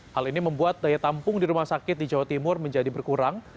hal ini membuat daya tampung di rumah sakit di jawa timur menjadi berkurang